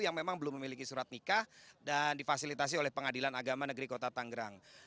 yang memang belum memiliki surat nikah dan difasilitasi oleh pengadilan agama negeri kota tanggerang